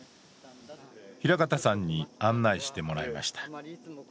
平形さんに案内してもらいました。